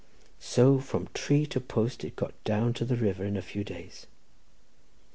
So from tree to post it got down to the river in a few days.